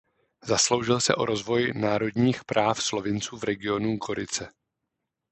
Zasloužil se o rozvoj národních práv Slovinců v regionu Gorice.